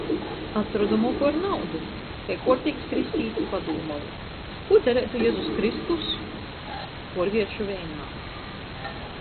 Atrodu moku ar naudu. Kai kuorteigs kristīts padūmuoju: "Kū dareitu Jezus Kristus?" Puorvieršu veinā.